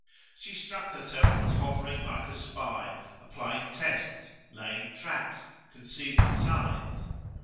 She struck herself as hovering like a spy, applying tests, laying traps, concealing signs.